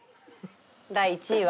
第１位は。